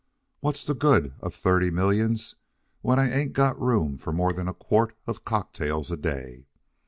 What's the good of thirty millions when I ain't got room for more than a quart of cocktails a day?